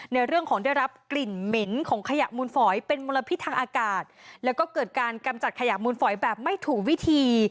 ในเรื่องของได้รับกลิ่นเหม็นของขยะมูลฝอยเป็นมลพิษทางอากาศแล้วก็เกิดการกำจัดขยะมูลฝอยแบบไม่ถูกวิธี